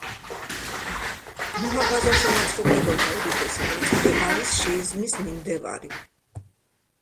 მუჰაფაზაში მაცხოვრებელთა უდიდესი ნაწილი არის შიიზმის მიმდევარი.